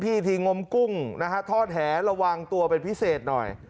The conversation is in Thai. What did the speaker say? ทีงมกุ้งนะฮะทอดแหระวังตัวเป็นพิเศษหน่อย